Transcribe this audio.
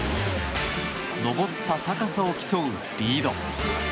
登った高さを競うリード。